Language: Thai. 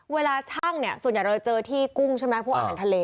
เวลาช่างส่วนใหญ่เราจะเจอที่กุ้งใช่ไหมพวกอาหารทะเล